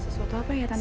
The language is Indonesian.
sesuatu apa ya tante